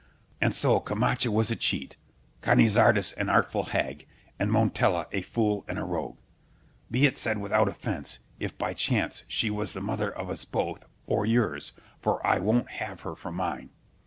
And so Carnacha was a cheat, Cañizares an artful hag, and Montiela a fool and a rogue—be it said without offence, if by chance she was the mother of us both, or yours, for I won't have her for mine.